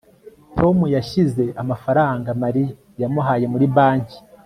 tom yashyize amafaranga mariya yamuhaye muri banki